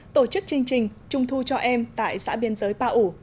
tổ chức chương trình trung thu cho em tại xã biên giới pa ủ